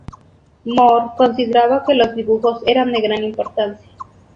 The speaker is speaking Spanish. Moore consideraba que los dibujos eran de gran importancia.